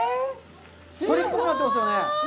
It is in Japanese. そりっぽくなっていますよね。